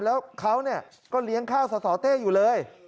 แล้วเขาก็เลี้ยงข้าวสสเต้อยู่เลย